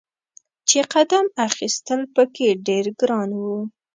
چې قدم اخیستل په کې ډیر ګران و.